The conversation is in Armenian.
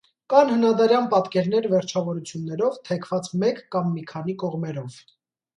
Կան հնադարյան պատկերներ վերջավորություններով, թեքված մեկ կամ մի քանի կողմերով։